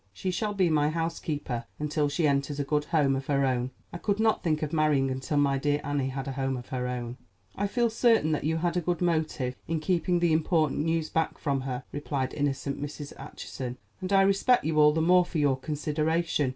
She shall be my housekeeper until she enters a good home of her own. I could not think of marrying until my dear Annie had a home of her own." "I felt certain that you had a good motive in keeping the important news back from her," replied innocent Mrs. Acheson; "and I respect you all the more for your consideration."